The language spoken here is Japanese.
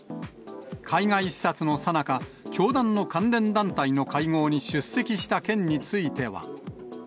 海外視察のさなか、教団の関連団体の会合に出席した件については。